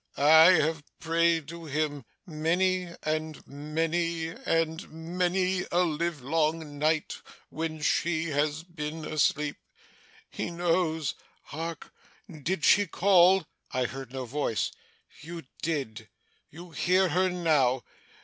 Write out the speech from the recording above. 'I have prayed to Him, many, and many, and many a livelong night, when she has been asleep, He knows. Hark! Did she call?' 'I heard no voice.' 'You did. You hear her now.